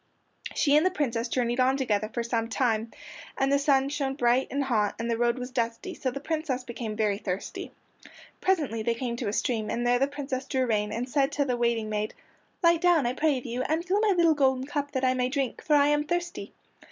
She and the Princess journeyed on together for some time, and the sun shone bright and hot and the road was dusty, so the Princess became very thirsty. Presently they came to a stream, and there the Princess drew rein, and said to the waiting maid, "Light down, I pray of you, and fill my little golden cup that I may drink, for I am thirsty."